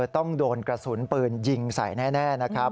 ต้องโดนกระสุนปืนยิงใส่แน่นะครับ